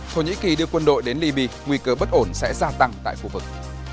thổ nhĩ kỳ đưa quân đội đến libya nguy cơ bất ổn sẽ gia tăng tại khu vực